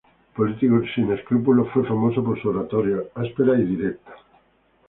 Político sin escrúpulos, fue famoso por su oratoria áspera y directa.